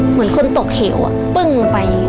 เหมือนคนตกเหวปึ้งลงไป